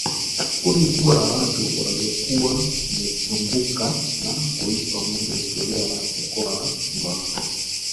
kundi kubwa la watu waliokuwa wamewazunguka na kuishi pamoja historia ya mkoa wa sumbawanga